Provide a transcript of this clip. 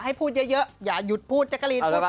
ให้พูดเยอะอย่าหยุดพูดแจ๊กกะลีนพูด